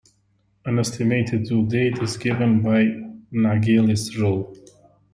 An estimated due date is given by Naegele's rule.